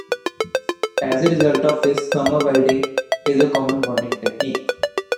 As a result of this, thermal welding is a common bonding technique.